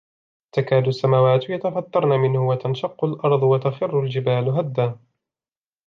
تَكَادُ السَّمَاوَاتُ يَتَفَطَّرْنَ مِنْهُ وَتَنْشَقُّ الْأَرْضُ وَتَخِرُّ الْجِبَالُ هَدًّا